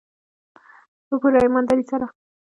په پوره ایمانداري سره.